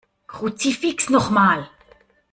Kruzifix noch mal!